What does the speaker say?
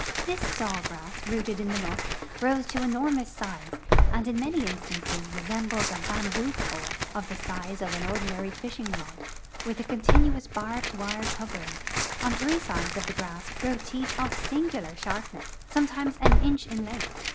This saw grass, rooted in the muck, grows to enormous size, and in many instances resembles a bam boo pole, of the size of an ordinary fishing rod, with a continu ous barbed wire covering. Oil' tiiree sides of the grass grow teeth of singular sharpness, sometimes an inch in length.